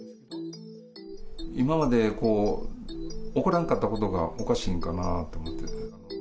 今まで、起こらんかったことがおかしいんかなと思って。